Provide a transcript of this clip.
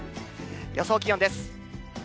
予想気温です。